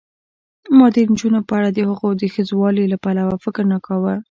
ما د نجونو په اړه دهغو د ښځوالي له پلوه فکر نه کاوه.